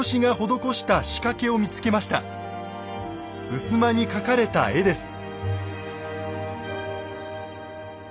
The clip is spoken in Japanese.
ふすまに描かれた絵です。